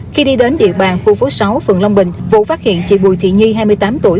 khi đi đến địa bàn khu phố sáu phường long bình vụ phát hiện chị bùi thị nhi hai mươi tám tuổi